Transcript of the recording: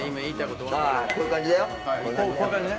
こういう感じね。